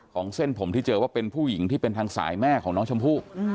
เส้นผมที่เจอว่าเป็นผู้หญิงที่เป็นทางสายแม่ของน้องชมพู่